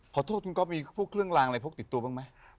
ขอโทษคุณก๊อฟมีพวกเครื่องลางอะไรพกติดตัวบ้างไหม